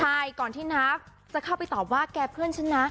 ใช่ก่อนที่นาฟจะเข้าไปตอบว่าแกเพื่อนฉันนะ